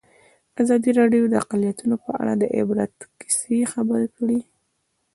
ازادي راډیو د اقلیتونه په اړه د عبرت کیسې خبر کړي.